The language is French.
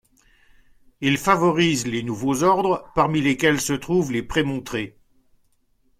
Il favorise les nouveaux ordres, parmi lesquels se trouvent les Prémontrés.